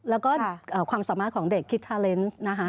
แล้วก็ความสามารถของเด็กคิทาเลนส์นะคะ